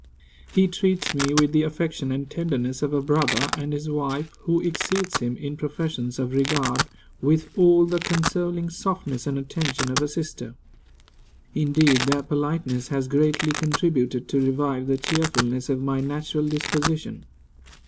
He treats me with the affection and tenderness of a brother, and his wife, who exceeds him in professions of regard, with all the consoling softness and attention of a sister. Indeed, their politeness has greatly contributed to revive the cheerfulness of my natural disposition.